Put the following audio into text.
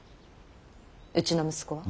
うちの息子は。